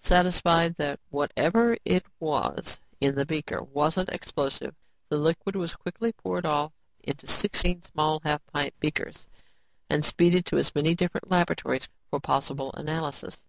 Satisfied that whatever it was in the beaker wasn't explosive, the liquid was quickly poured off into sixteen small half pint beakers and speeded to as many different laboratories for possible analysis.